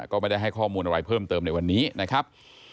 ก็ไม่ได้ให้ข้อมูลอะไรเพิ่มเติมในวันนี้นะครับ